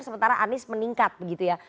sementara anies meningkat begitu ya